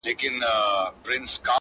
!کابل مه ورانوئ!.